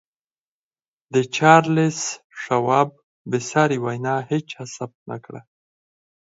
د چارليس شواب بې ساري وينا هېچا ثبت نه کړه.